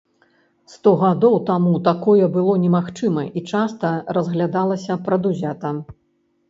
Сто гадоў таму такое было немагчыма, і часта разглядалася прадузята.